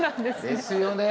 ですよね。